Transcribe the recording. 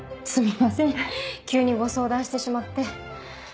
すみません急にご相談してしまって。